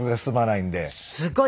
すごい。